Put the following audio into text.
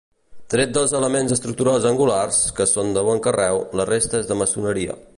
Tret dels elements estructurals angulars, que són de bon carreu, la resta és de maçoneria.